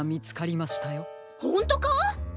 ほんとか？